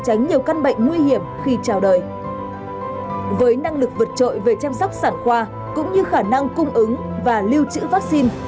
với năng lực vượt trội về chăm sóc sản khoa cũng như khả năng cung ứng và lưu trữ vaccine